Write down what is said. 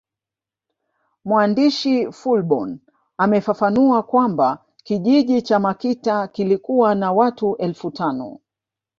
Mwandishi Fullborn amefafanua kwamba kijiji cha Makita kilikuwa na watu elfu tano